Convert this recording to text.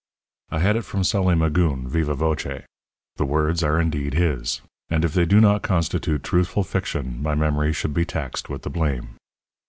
I had it from Sully Magoon, viva voce. The words are indeed his; and if they do not constitute truthful fiction my memory should be taxed with the blame.